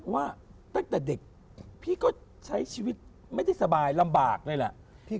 ว่าตั้งแต่เด็กพี่ก็ใช้ชีวิตไม่ได้สบายลำบากเลยแหละ